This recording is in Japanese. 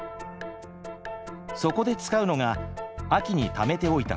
そこで使うのが秋にためておいた水素です。